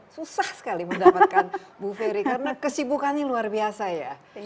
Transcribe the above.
susah sekali mendapatkan bu ferry karena kesibukannya luar biasa ya